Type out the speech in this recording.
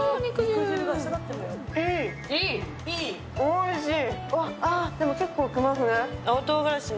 おいしい。